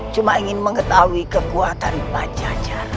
cuma ingin mengetahui kekuatan bacanya